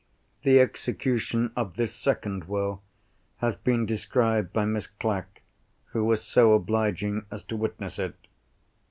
The execution of this second Will has been described by Miss Clack, who was so obliging as to witness it.